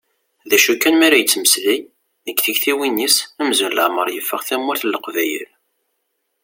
D acu kan mi ara yettmeslay, deg tiktiwin-is amzun leɛmer yeffeɣ tamurt n Leqbayel.